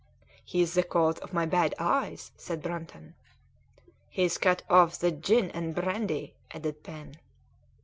"He's the cause of my bad eyes," said Brunton. "He's cut off the gin and brandy," added Pen.